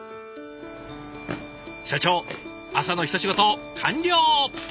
社長朝の一仕事完了。